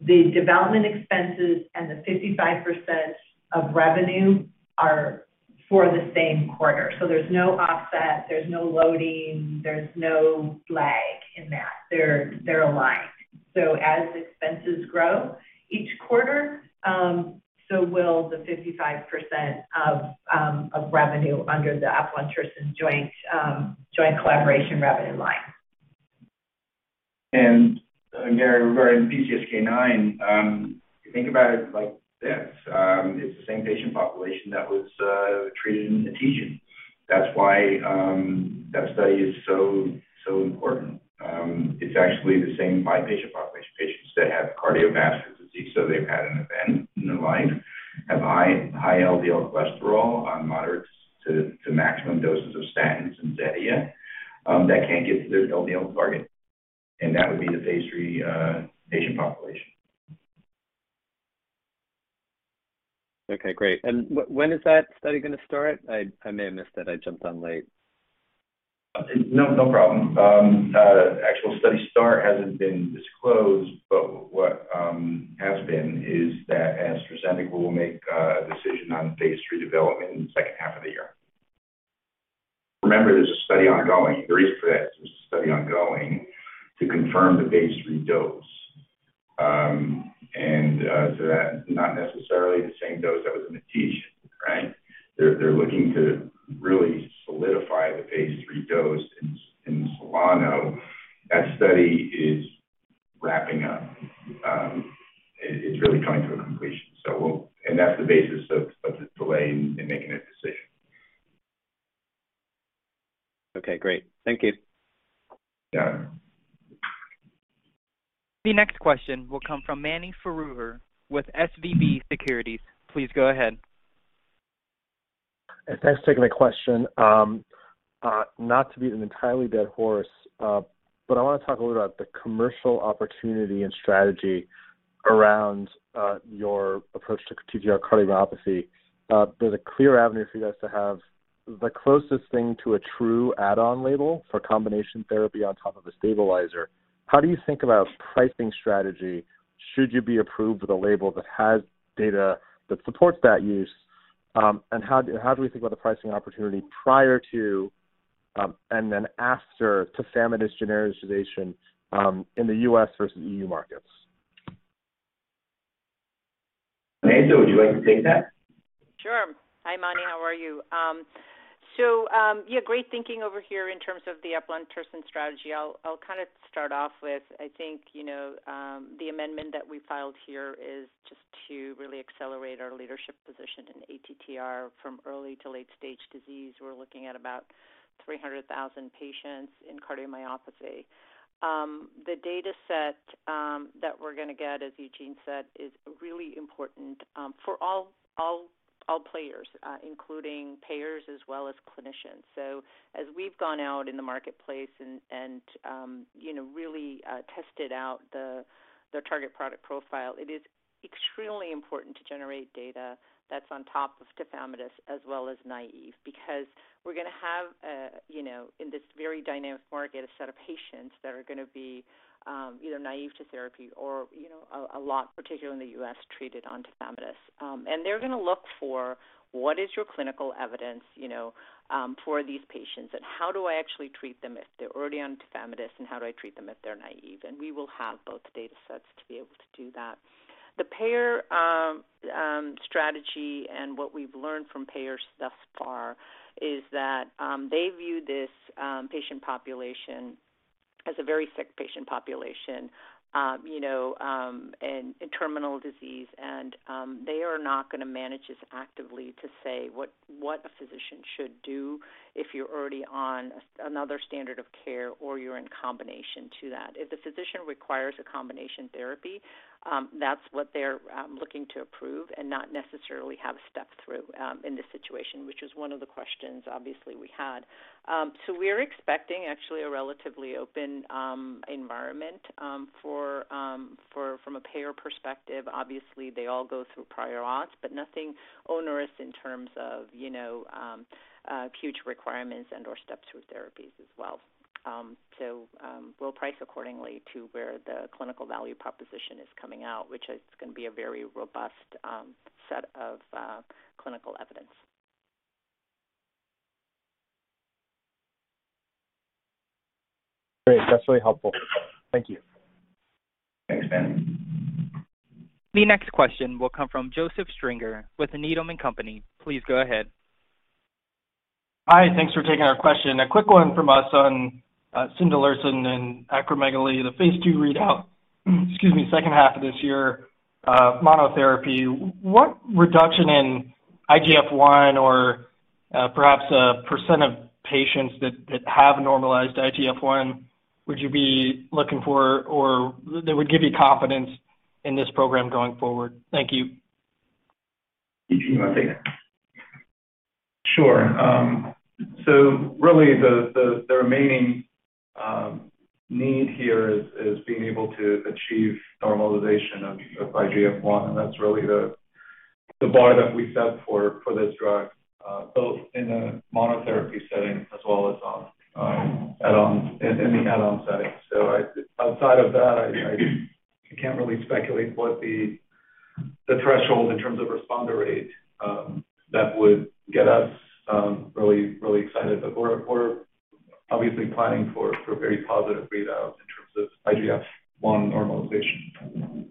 The development expenses and the 55% of revenue are for the same quarter. There's no offset, there's no loading, there's no lag in that. They're aligned. As expenses grow each quarter, so will the 55% of revenue under the Eplontersen joint collaboration revenue line. Gary, regarding PCSK9, you think about it like this. It's the same patient population that was treated in ETESIAN. That's why that study is so important. It's actually the same patient population, patients that have cardiovascular disease, so they've had an event in their life, have high LDL cholesterol on moderate to maximum doses of statins and Zetia, that can't get to their LDL target. That would be the phase III patient population. Okay, great. When is that study gonna start? I may have missed it. I jumped on late. No problem. Actual study start hasn't been disclosed, but what has been is that AstraZeneca will make a decision on phase III development in the second half of the year. Remember, there's a study ongoing to confirm the phase III dose. So that not necessarily the same dose that was in ETESIAN, right? They're looking to really solidify the phase III dose in SOLANO. That study is wrapping up. It's really coming to a completion. That's the basis of the delay in making a decision. Okay, great. Thank you. Yeah. The next question will come from Mani Foroohar with SVB Securities. Please go ahead. Yes, thanks for taking my question. Not to beat an entirely dead horse, but I wanna talk a little about the commercial opportunity and strategy around your approach to TTR cardiomyopathy. There's a clear avenue for you guys to have the closest thing to a true add-on label for combination therapy on top of a stabilizer. How do you think about pricing strategy should you be approved with a label that has data that supports that use? How do we think about the pricing opportunity prior to and then after tafamidis genericization in the U.S. versus EU markets? Onaiza, would you like to take that? Sure. Hi, Manny. How are you? Great thinking over here in terms of the Eplontersen strategy. I'll kind of start off with, I think, you know, the amendment that we filed here is just to really accelerate our leadership position in ATTR from early to late stage disease. We're looking at about 300,000 patients in cardiomyopathy. The dataset that we're gonna get, as Eugene said, is really important for all players, including payers as well as clinicians. As we've gone out in the marketplace and you know really tested out the target product profile, it is extremely important to generate data that's on top of tafamidis as well as naive, because we're gonna have you know in this very dynamic market a set of patients that are gonna be either naive to therapy or you know a lot, particularly in the U.S., treated on tafamidis. They're gonna look for what is your clinical evidence you know for these patients, and how do I actually treat them if they're already on tafamidis, and how do I treat them if they're naive. We will have both datasets to be able to do that. The payer strategy and what we've learned from payers thus far is that they view this patient population as a very sick patient population, you know, and in terminal disease. They are not gonna manage this actively to say what a physician should do if you're already on another standard of care or you're in combination to that. If the physician requires a combination therapy, that's what they're looking to approve and not necessarily have stepped through in this situation, which is one of the questions obviously we had. We're expecting actually a relatively open environment from a payer perspective. Obviously, they all go through prior auths, but nothing onerous in terms of, you know, huge requirements and/or step through therapies as well. We'll price accordingly to where the clinical value proposition is coming out, which is gonna be a very robust set of clinical evidence. Great. That's really helpful. Thank you. Thanks, Mani. The next question will come from Joseph Stringer with Needham & Company. Please go ahead. Hi. Thanks for taking our question. A quick one from us on cimdelirsen and acromegaly, the phase II readout, excuse me, second half of this year, monotherapy. What reduction in IGF-I or perhaps a % of patients that have normalized IGF-I would you be looking for or that would give you confidence in this program going forward? Thank you. Eugene, you wanna take that? Sure. Really the remaining need here is being able to achieve normalization of IGF-I, and that's really the bar that we set for this drug both in a monotherapy setting as well as in the add-on setting. Outside of that, I can't really speculate what the threshold in terms of responder rate that would get us really excited. We're obviously planning for very positive readouts in terms of IGF-I normalization.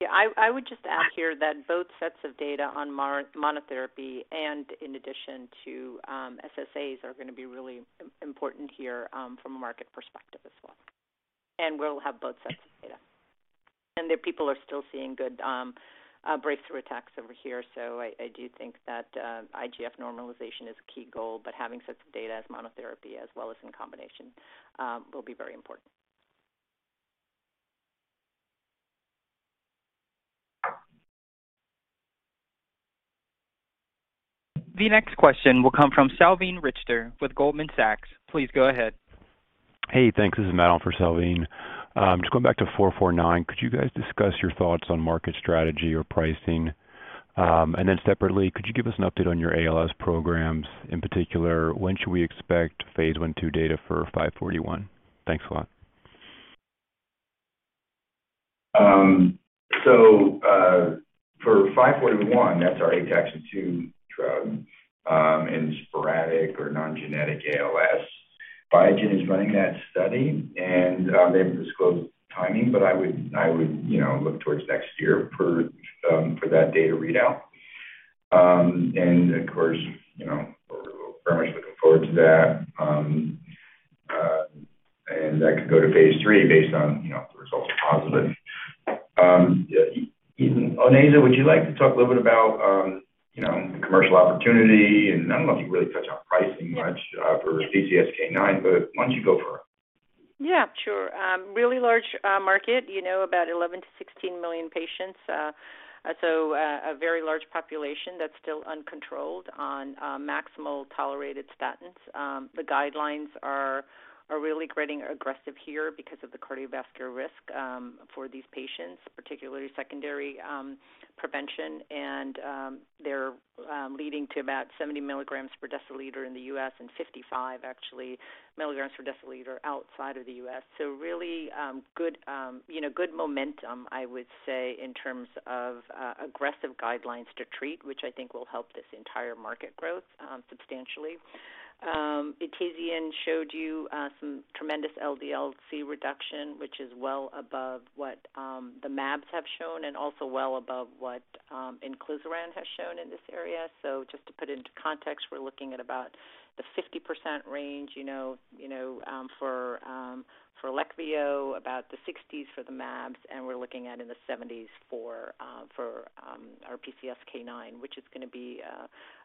Yeah. I would just add here that both sets of data on monotherapy and in addition to SSAs are gonna be really important here from a market perspective as well. We'll have both sets of data. The people are still seeing good breakthrough attacks over here. I do think that IGF normalization is a key goal, but having sets of data as monotherapy as well as in combination will be very important. The next question will come from Salveen Richter with Goldman Sachs. Please go ahead. Hey, thanks. This is Matt on for Salveen. Just going back to 449, could you guys discuss your thoughts on market strategy or pricing? Separately, could you give us an update on your ALS programs? In particular, when should we expect phase I/II data for 541? Thanks a lot. For 541, that's our ataxin-2 drug, and sporadic or non-genetic ALS. Biogen is running that study, and they've disclosed timing, but I would, you know, look towards next year for that data readout. Of course, you know, we're very much looking forward to that. That could go to phase III based on, you know, if the result is positive. Onaiza, would you like to talk a little bit about, you know, commercial opportunity? I don't know if you can really touch on pricing much, for PCSK9, but why don't you go for it? Yeah, sure. Really large market, you know, about 11-16 million patients. So, a very large population that's still uncontrolled on maximal tolerated statins. The guidelines are really getting aggressive here because of the cardiovascular risk for these patients, particularly secondary prevention. They're leading to about 70 milligrams per deciliter in the US and 55, actually, milligrams per deciliter outside of the US. So really good, you know, good momentum, I would say, in terms of aggressive guidelines to treat, which I think will help this entire market growth substantially. ION449 showed you some tremendous LDL-C reduction, which is well above what the mAbs have shown and also well above what inclisiran has shown in this area. Just to put it into context, we're looking at about the 50% range, you know, for Leqvio, about the 60s for the mAbs, and we're looking at in the 70s for For our PCSK9, which is gonna be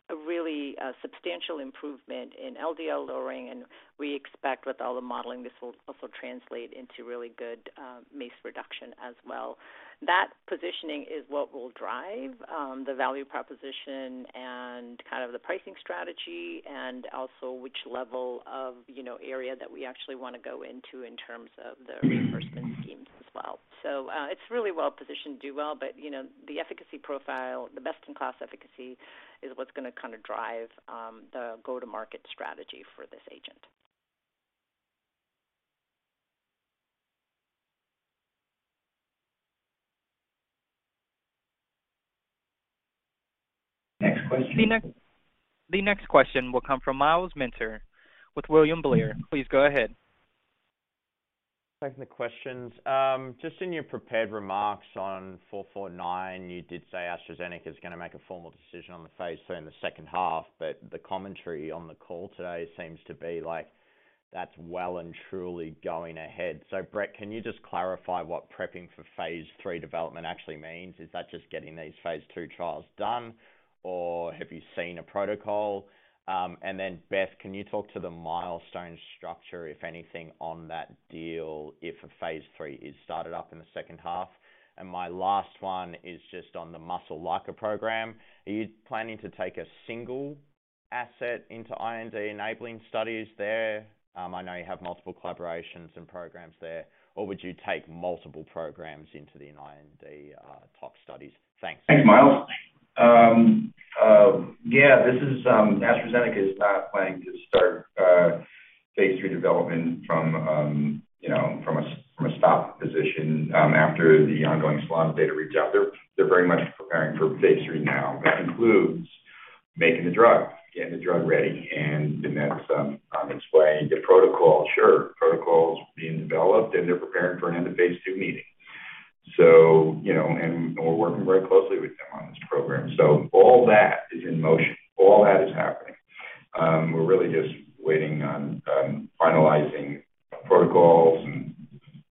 a really substantial improvement in LDL lowering. We expect with all the modeling, this will also translate into really good MACE reduction as well. That positioning is what will drive the value proposition and kind of the pricing strategy and also which level of, you know, area that we actually wanna go into in terms of the reimbursement schemes as well. It's really well-positioned to do well, but you know, the efficacy profile, the best-in-class efficacy is what's gonna kinda drive the go-to-market strategy for this agent. Next question. The next question will come from Myles Minter with William Blair. Please go ahead. Thanks for the questions. Just in your prepared remarks on ION449, you did say AstraZeneca is gonna make a formal decision on the phase III in the second half, but the commentary on the call today seems to be like that's well and truly going ahead. Brett, can you just clarify what prepping for phase III development actually means? Is that just getting these phase II trials done, or have you seen a protocol? And then Beth, can you talk to the milestone structure, if anything, on that deal if a phase III is started up in the second half? My last one is just on the muscle LICA program. Are you planning to take a single asset into IND-enabling studies there? I know you have multiple collaborations and programs there. Or would you take multiple programs into the IND, tox studies? Thanks. Thanks, Miles. This is, AstraZeneca is not planning to start phase III development from, you know, from a stop position after the ongoing SOLANO data readout. They're very much preparing for phase III now. That includes making the drug, getting the drug ready, and then that's explaining the protocol. Protocol's being developed, and they're preparing for an end-of-phase II meeting. You know, we're working very closely with them on this program. All that is in motion. All that is happening. We're really just waiting on finalizing protocols and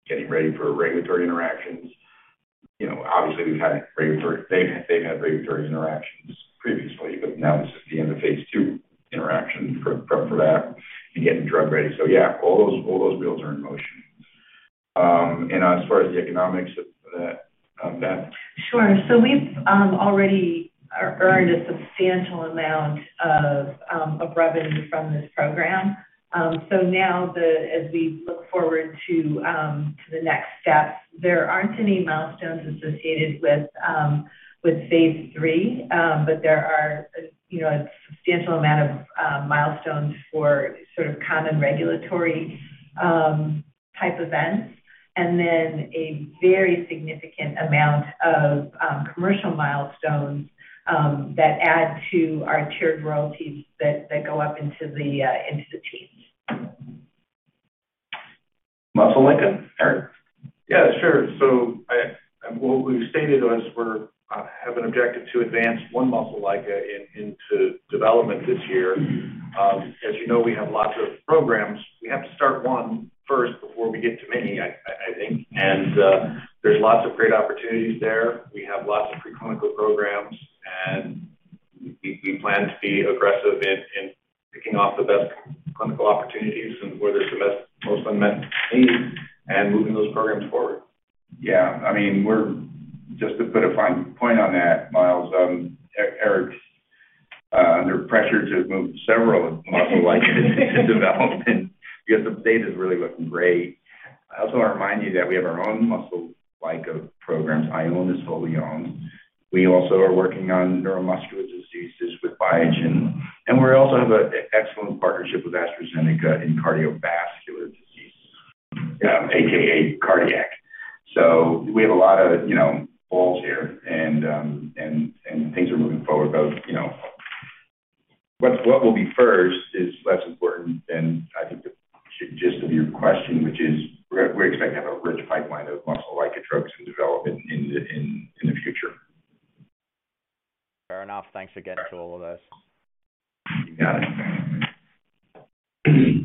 getting ready for regulatory interactions. You know, obviously, they've had regulatory interactions previously, but now this is the end of phase II interaction for prep for that and getting the drug ready. Yeah, all those wheels are in motion. As far as the economics of that, Beth? Sure. We've already earned a substantial amount of revenue from this program. As we look forward to the next steps, there aren't any milestones associated with phase III. There are, you know, a substantial amount of milestones for sort of common regulatory type events, and then a very significant amount of commercial milestones that add to our tiered royalties that go up into the teens. Muscle LICA, Eric? Yeah, sure. What we've stated was we have an objective to advance one muscle LICA into development this year. As you know, we have lots of programs. We have to start one first before we get to many, I think. There's lots of great opportunities there. We have lots of pre-clinical programs, and we plan to be aggressive in picking off the best clinical opportunities and where there's the most unmet need and moving those programs forward. Yeah. I mean, we're just to put a fine point on that, Myles, Eric, under pressure to move several muscle LICA into development because the data's really looking great. I also wanna remind you that we have our own muscle LICA programs, Ionis wholly-owned. We also are working on neuromuscular diseases with Biogen, and we also have an excellent partnership with AstraZeneca in cardiovascular disease, aka cardiac. We have a lot of balls here and things are moving forward both. What will be first is less important than I think the gist of your question, which is we're expecting to have a rich pipeline of muscle LICA drugs in development in the future. Fair enough. Thanks again to all of us. You got it.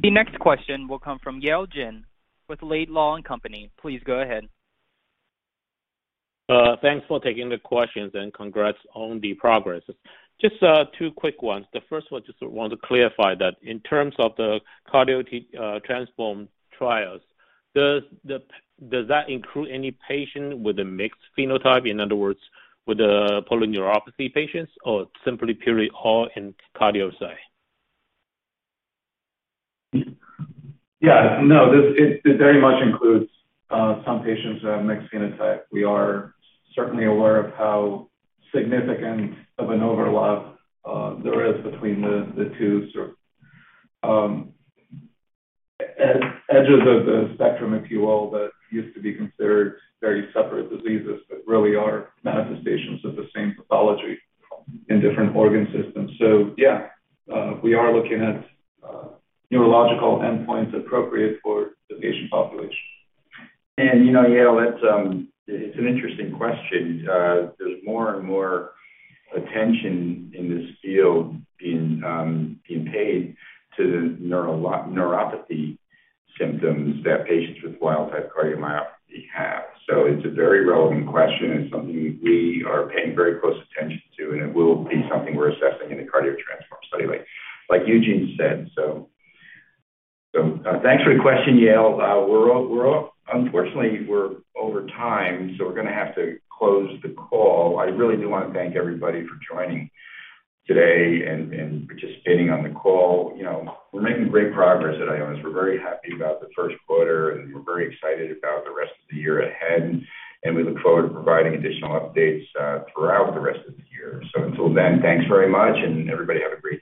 The next question will come from Yale Jen with Laidlaw & Company. Please go ahead. Thanks for taking the questions and congrats on the progress. Just two quick ones. The first one, just want to clarify that in terms of the CARDIO-TTRansform trials, does that include any patient with a mixed phenotype? In other words, with a polyneuropathy patients or simply purely all in cardiomyopathy? Yeah, no, this it very much includes some patients that have mixed phenotype. We are certainly aware of how significant of an overlap there is between the two sort of edges of the spectrum, if you will, that used to be considered very separate diseases, but really are manifestations of the same pathology in different organ systems. Yeah, we are looking at neurological endpoints appropriate for the patient population. You know, Yale Jen, that's it's an interesting question. There's more and more attention in this field being paid to the neuropathy symptoms that patients with wild-type cardiomyopathy have. It's a very relevant question. It's something we are paying very close attention to, and it will be something we're assessing in the CARDIO-TTRansform study, like Eugene Schneider said. Thanks for the question, Yale Jen. We're unfortunately over time, so we're gonna have to close the call. I really do wanna thank everybody for joining today and participating on the call. You know, we're making great progress at Ionis. We're very happy about the first quarter, and we're very excited about the rest of the year ahead, and we look forward to providing additional updates throughout the rest of the year. Until then, thanks very much, and everybody have a great day.